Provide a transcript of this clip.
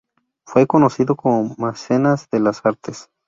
Fue conocido como mecenas de las artes.